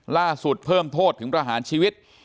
ล่าสุดเพิ่มโทษถึงประหารชีวิต